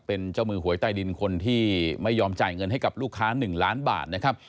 เป็นเจ้ามือหวยใต้ดินคนที่ไม่ยอมจ่ายเงินให้กับลูกค้า๑ล้านบาทนะครับ